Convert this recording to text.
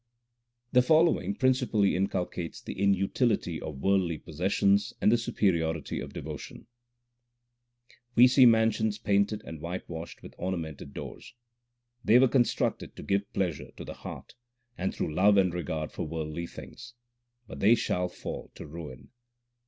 The following principally inculcates the inutility of worldly possessions and the superiority of devotion : We see mansions painted and whitewashed with orna mented doors. They were constructed to give pleasure to the heart, and through love and regard for worldly things, but they shall fall to ruin.